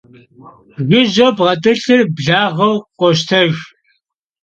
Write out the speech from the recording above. Jjıjeu bğet'ılhır blağeu khoştejj.